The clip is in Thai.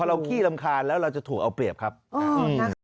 เราขี้รำคาญแล้วเราจะถูกเอาเปรียบครับอ่า